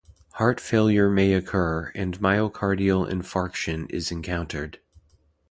Heart failure may occur, and myocardial infarction is encountered.